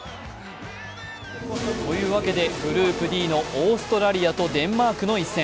というわけでグループＤのオーストラリアとデンマークの一戦。